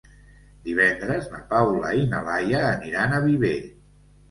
Divendres na Paula i na Laia aniran a Viver.